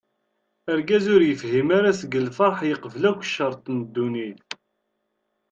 Argaz ur yefhim ara seg lferḥ yeqbel akk ccerṭ n dunnit.